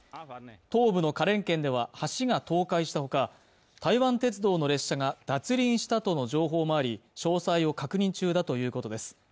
東部の花蓮県では橋が倒壊したほか、台湾鉄道の列車が脱輪したとの情報もあり、詳細を確認中だということです。